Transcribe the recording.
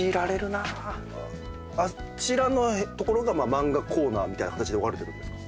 あちらの所が漫画コーナーみたいな形で分かれてるんですか？